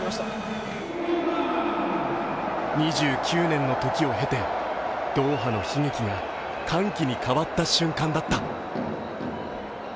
２９年の時を経て、ドーハの悲劇が歓喜に変わった瞬間だった。